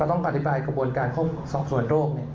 ก็ต้องอธิบายกระบวนการสอบส่วนโรค